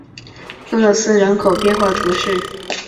厄斯人口变化图示